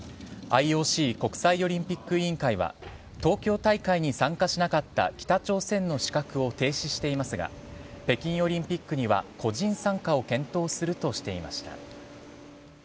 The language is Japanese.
ＩＯＣ＝国際オリンピック委員会は東京大会に参加しなかった北朝鮮の資格を停止していますが北京オリンピックには個人参加を検討するとしていました。